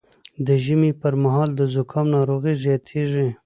د ژمي پر مهال د زکام ناروغي زیاتېږي